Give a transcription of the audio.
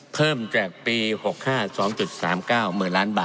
เพิ่มจากปี๖๕๒๓๙หมื่นล้านบาท